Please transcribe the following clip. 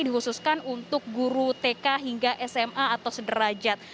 dihususkan untuk guru tk hingga sma atau sederajat